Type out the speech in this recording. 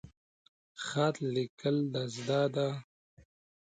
خط لیکل د زده ده؟